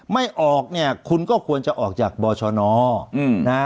ไม่ออกเนี่ยคุณก็ควรจะออกจากบชนนะฮะ